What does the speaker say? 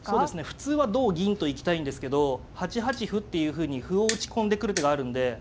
普通は同銀と行きたいんですけど８八歩っていうふうに歩を打ち込んでくる手があるんで。